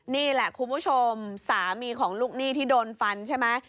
นี่แหละคุณผู้ชมสามีของลูกหนี้ที่โดนฟันใช่ไหม